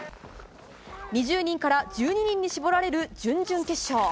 ２０人から１２人に絞られる準々決勝。